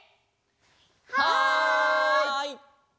はい！